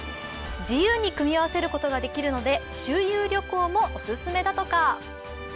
自由に組み合わせることができるので、周遊旅行もオススメだとか。